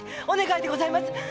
お願いでございます！